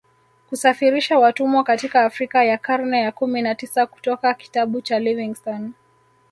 Kusafirisha watumwa katika Afrika ya karne ya kumi na tisa kutoka kitabu cha Livingstone